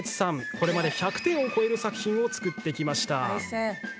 これまで１００点を超える作品を作ってきました。